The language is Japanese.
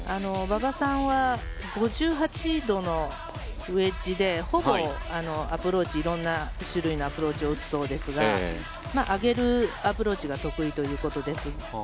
馬場さんは５８度のウェッジでほぼ、アプローチ色んな種類のアプローチを打つそうですが上げるアプローチが得意ということです。